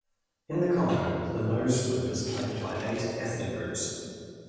In the Congo, the nose flute is played by eight ethnic groups.